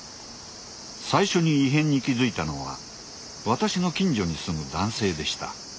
最初に異変に気付いたのは私の近所に住む男性でした。